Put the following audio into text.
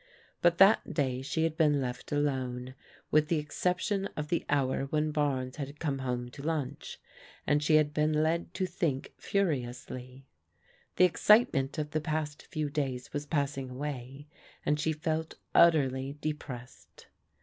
But that day she had been left alone, with the exception of the hour when Barnes had come home to lunch ; and die had been led to think furiously. The excitement of the past few days was passing away, and she felt utterly depressed.